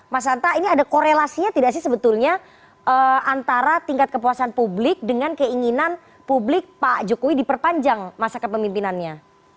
mas santa ini ada korelasinya tidak sih sebetulnya antara tingkat kepuasan publik dengan keinginan publik pak jokowi diperpanjang masa kepemimpinannya